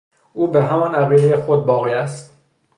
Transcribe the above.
او به همان عقیدهٔ خود باقی است.